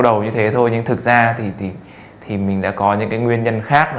đầu như thế thôi nhưng thực ra thì thì mình đã có những cái nguyên nhân khác nó